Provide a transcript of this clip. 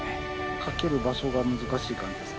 掛ける場所が難しい感じですか？